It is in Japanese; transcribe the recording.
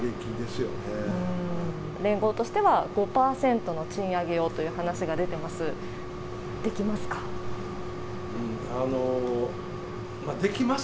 連合としては、５％の賃上げをという話が出ています。